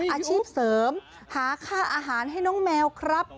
อาชีพเสริมหาค่าอาหารให้น้องแมวครับ